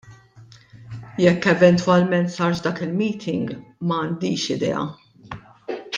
Jekk eventwalment sarx dak il-meeting m'għandix idea.